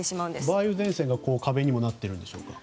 梅雨前線が壁になっているんでしょうか。